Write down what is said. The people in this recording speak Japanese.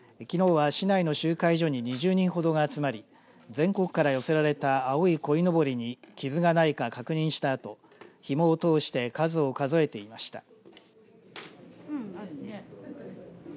きのうは市内の集会所に２０人ほどが集まり全国から寄せられた青いこいのぼりに傷がないか確認したあとひもを通して数を数えていました。